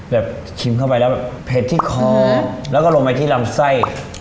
ชิมเข้าไปแล้วแบบเผ็ดที่คอแล้วก็ลงไปที่ลำไส้